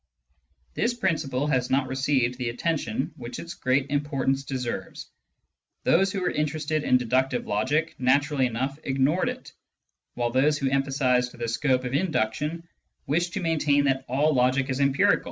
This principle has not received the attention which its great importance deserves. Those who were interested in deductive logic naturally enough ignored it, while those who emphasised the scope of induction wished to maintain that all logic is empirical.